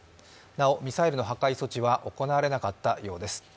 なおミサイルの破壊措置は行われなかったようです。